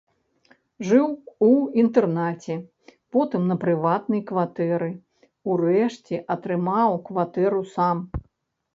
Жыў у інтэрнаце, потым на прыватнай кватэры, урэшце атрымаў кватэру сам.